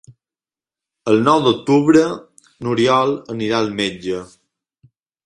El nou d'octubre n'Oriol anirà al metge.